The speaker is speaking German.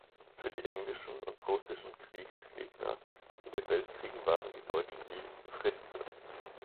Für die englischen und russischen Kriegsgegner in den Weltkriegen waren die Deutschen die „Fritze“.